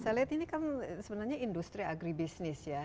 saya lihat ini kan sebenarnya industri agribisnis ya